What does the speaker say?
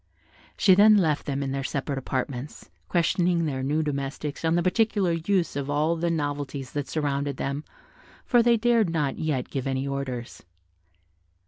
She then left them in their separate apartments, questioning their new domestics on the particular use of all the novelties that surrounded them, for they dared not yet give any orders.